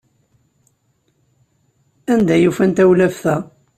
Anda ay ufan tawlaft-a?